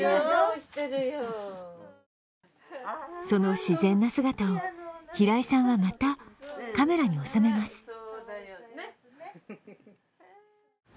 その自然な姿を平井さんはまたカメラに収めます。